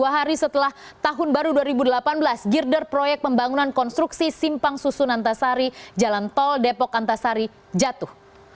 dua hari setelah tahun baru dua ribu delapan belas girder proyek pembangunan konstruksi simpang susun antasari jalan tol depok antasari jatuh